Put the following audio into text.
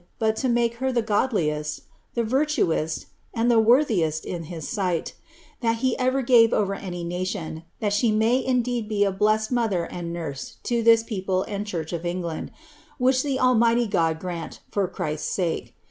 but to make her ilie goilliesl, the tvim^tl. and the worihii ii in his sight, that he over gave over any nation, tliat she may indeed be a biefW mother and nurse to this people and chureb of England, which the Almighty God grant, for Christ's sake.